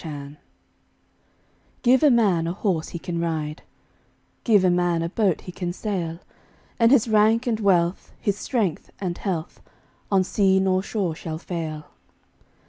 Gifts GIVE a man a horse he can ride, Give a man a boat he can sail; And his rank and wealth, his strength and health, On sea nor shore shall fail.